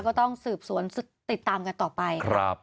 ก็ต้องสืบสวนติดตามกันต่อไป